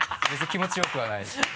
別に気持ちよくはない。